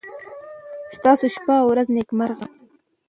ستاسو شپه او ورځ نېکمرغه.